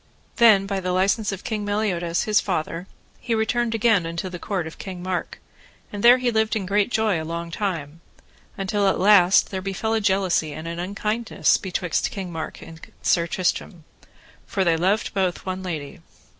Then by the license of King Meliodas, his father, he returned again unto the court of King Mark, and there he lived in great joy long time, until at the last there befell a jealousy and an unkindness betwixt King Mark and Sir Tristram, for they loved both one lady.